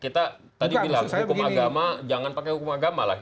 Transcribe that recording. kita tadi bilang hukum agama jangan pakai hukum agama lah